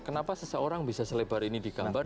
kenapa seseorang bisa selebar ini di gambar